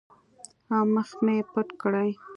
او مخ مې پټ کړي.